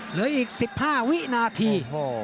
เหลืออีก๑๕วินาที